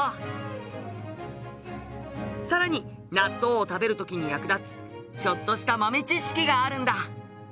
さらに納豆を食べる時に役立つちょっとした豆知識があるんだ。